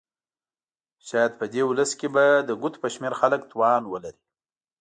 شاید په دې ولس کې به د ګوتو په شمېر خلک توان ولري.